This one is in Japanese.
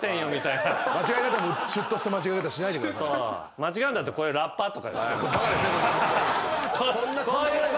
間違うんだったらこういうラッパとか。